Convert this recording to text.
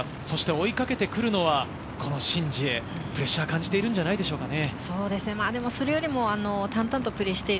追いかけてくるのはこのシン・ジエ、プレッシャーを感じているんじゃないでしょうかね。